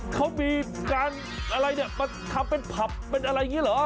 เขามีการอะไรเนี่ยมาทำเป็นผับเป็นอะไรอย่างนี้เหรอ